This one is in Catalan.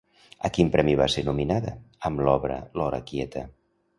A quin premi va ser nominada amb l'obra L'hora quieta?